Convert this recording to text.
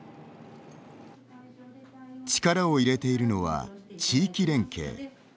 力を入れているのは、地域連携。